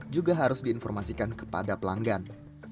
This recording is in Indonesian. juga harus diinformasikan kepada pelanggan